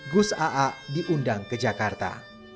gus aa diundang ke jakarta